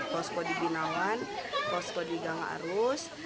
posko di binawan posko di gangarus